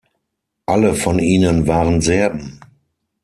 Alle von ihnen waren Serben.